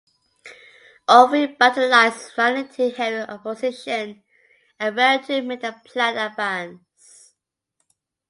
All three battalions ran into heavy opposition and failed to make the planned advance.